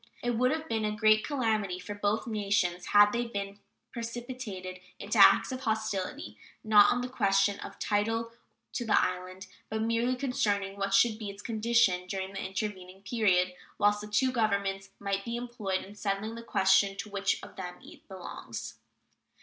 It would have been a great calamity for both nations had they been precipitated into acts of hostility, not on the question of title to the island, but merely concerning what should be its condition during the intervening period whilst the two Governments might be employed in settling the question to which of them it belongs.